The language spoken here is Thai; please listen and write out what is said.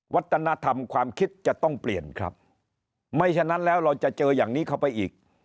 วัฒนธรรมความคิดจะต้องเปลี่ยนครับไม่ฉะนั้นแล้วเราจะเจออย่างนี้เข้าไปอีก